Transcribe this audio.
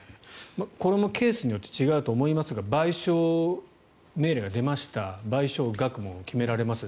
これもケースによって違うと思いますが賠償命令が出ました賠償額も決められます